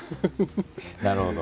なるほど。